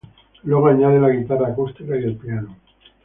Luego, añaden la guitarra acústica y el piano.